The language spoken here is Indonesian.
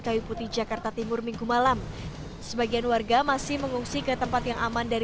kayu putih jakarta timur minggu malam sebagian warga masih mengungsi ke tempat yang aman dari